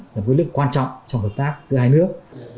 là một lượng quan trọng trong hợp tác giữa hai nước